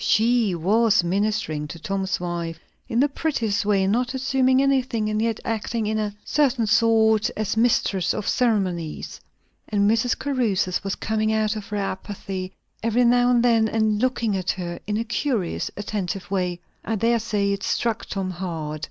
She was ministering to Tom's wife in the prettiest way; not assuming anything, and yet acting in a certain sort as mistress of ceremonies. And Mrs. Caruthers was coming out of her apathy every now and then, and looking at her in a curious attentive way. I dare say it struck Tom hard.